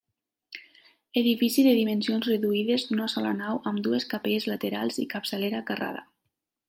Edifici de dimensions reduïdes, d'una sola nau amb dues capelles laterals i capçalera carrada.